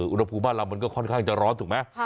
อุณหภูมิบ้านเรามันก็ค่อนข้างจะร้อนถูกไหม